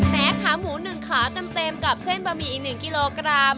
ขาหมู๑ขาเต็มกับเส้นบะหมี่อีก๑กิโลกรัม